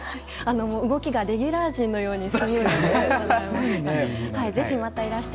動きがレギュラー陣のようでございました。